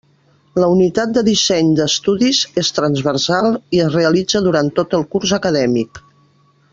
La unitat de disseny d'estudis és transversal i es realitza durant tot el curs acadèmic.